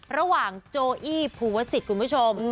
ระหว่างโจอี้ภูวสิทธิ์คุณผู้ชม